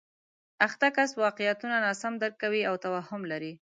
اخته کس واقعیتونه ناسم درک کوي او توهم لري